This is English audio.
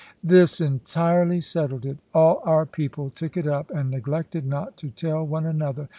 This entirely settled it. All our people took it up, and neglected not to tell one another.